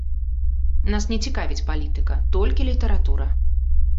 Нас не цікавіць палітыка, толькі літаратура.